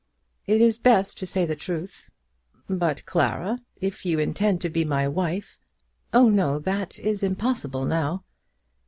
"It is best to say the truth." "But, Clara, if you intend to be my wife " "Oh, no; that is impossible now."